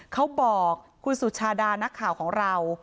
เขาบอกคุณสุชาดานักข่าวของเรา